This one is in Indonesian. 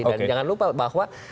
dan jangan lupa bahwa